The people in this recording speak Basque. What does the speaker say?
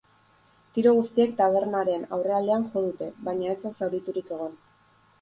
Tiro guztiek tabernaren aurrealdean jo dute, baina ez da zauriturik egon.